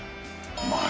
うまい。